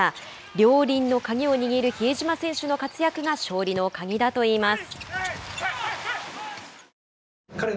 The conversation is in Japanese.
両輪の鍵を握る比江島選手の活躍が勝利の鍵だといいます。